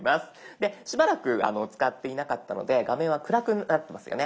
でしばらく使っていなかったので画面は暗くなってますよね？